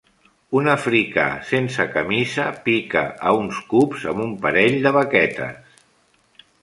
Un africà sense camisa pica a uns cubs amb un parell de baquetes.